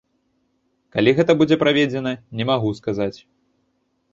Калі гэта будзе праведзена, не магу сказаць.